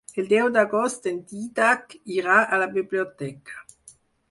El deu d'agost en Dídac irà a la biblioteca.